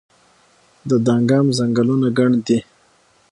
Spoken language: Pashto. د دانګام ځنګلونه ګڼ دي